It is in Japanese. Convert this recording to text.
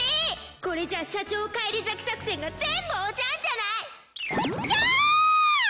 これじゃ社長返り咲き作戦が全部おじゃんじゃないキャーッ！